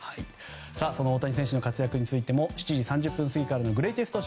その大谷選手の活躍についても７時３０分過ぎからのグレイテスト